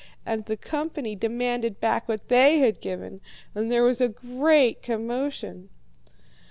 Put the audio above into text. And the company demanded back what they had given, and there was a great commotion.'